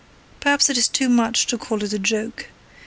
Perhaps it is too much to call it a joke.